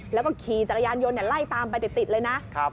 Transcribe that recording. แล้วก็ขี่จักรยานยนต์ไล่ตามไปติดเลยนะ